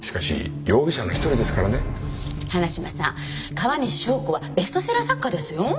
川西祥子はベストセラー作家ですよ。